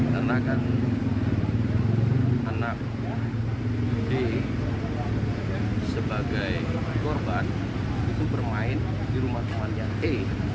karena kan anak d sebagai korban itu bermain di rumah temannya e